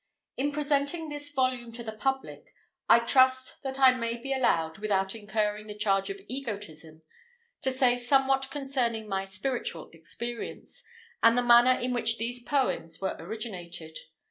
In presenting this volume to the public, I trust that I may be allowed, without incurring the charge of egotism, to say somewhat concerning my spiritual experience, and the manner in which these poems were originated.